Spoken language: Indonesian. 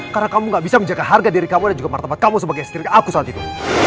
karena kamu gak bisa menjaga harga diri kamu dan juga martabat kamu sebagai istri aku saat itu